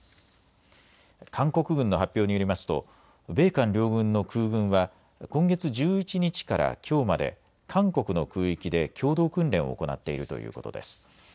韓国軍の発表によりますと米韓両軍の空軍は今月１１日からきょうまで韓国の空域で共同訓練を行っているということです。